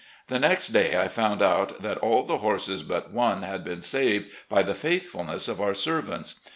The next day I fotmd out that all the horses but one had been saved by the faithfulness of otir servants.